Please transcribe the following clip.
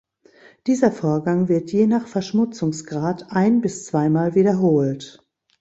Dieser Vorgang wird je nach Verschmutzungsgrad ein- bis zweimal wiederholt.